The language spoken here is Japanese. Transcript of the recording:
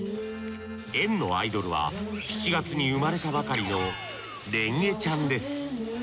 園のアイドルは７月に生まれたばかりのレンゲちゃんです。